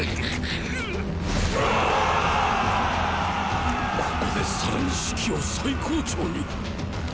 ここでさらに士気を最高潮にっ！